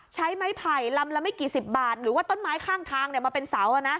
ใช้ไม้ไผ่ลำละไม่กี่สิบบาทหรือว่าต้นไม้ข้างทางมาเป็นเสา